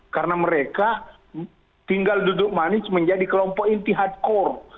karena mereka tinggal duduk manis menjadi kelompok inti hardcore